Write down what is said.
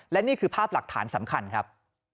และนี่คือภาพหลักฐานสำคัญครับ